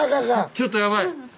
ちょっとやばい！